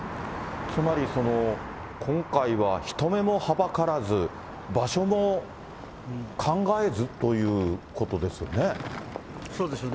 つまり今回は人目もはばからず、場所も考えずということですよね。